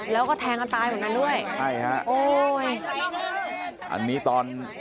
แล้วก็แทงกันตายเหมือนกันด้วยใช่ฮะโอ้ยอันนี้ตอน